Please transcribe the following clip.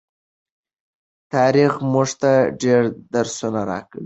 تېر تاریخ موږ ته ډېر درسونه راکوي.